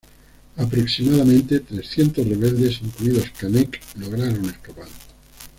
Aproximadamente, trescientos rebeldes, incluido Canek, lograron escapar.